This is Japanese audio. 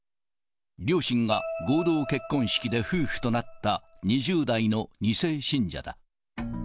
両親が合同結婚式で夫婦となった２０代の２世信者だ。